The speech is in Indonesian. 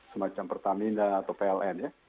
semacam pertamina atau pln ya